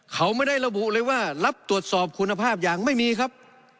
เขาไม่ได้ระบุเลยว่ารับตรวจสอบคุณภาพอย่างไม่มีครับ